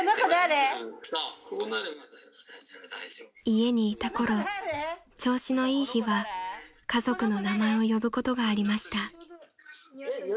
［家にいたころ調子のいい日は家族の名前を呼ぶことがありました］